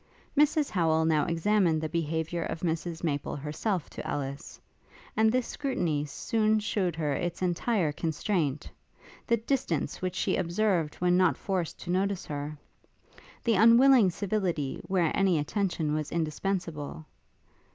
Mrs Howel now examined the behaviour of Mrs Maple herself to Ellis; and this scrutiny soon shewed her its entire constraint; the distance which she observed when not forced to notice her; the unwilling civility, where any attention was indispensable.